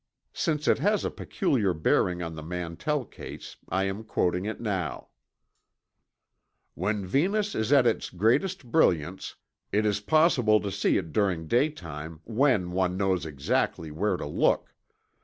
Since it has a peculiar bearing on the Mantell case, I am quoting it now: When Venus is at its greatest brilliance, it is possible to see it during daytime when one knows exactly where to look.